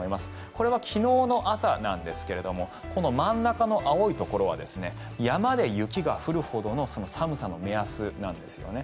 これは昨日の朝なんですがこの真ん中の青いところは山で雪が降るほどの寒さの目安なんですね。